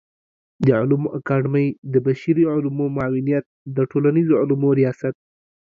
د علومو اکاډمۍ د بشري علومو معاونيت د ټولنيزو علومو ریاست